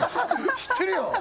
知ってるよ！